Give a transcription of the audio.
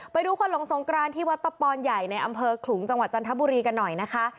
ไปดูคนหลงสงกรานที่วัดตะปอนใหญ่ในอำเภอขลุงจังหวัดจันทบุรีกันหน่อยนะคะ